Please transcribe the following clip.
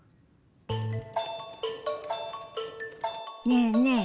ねえねえ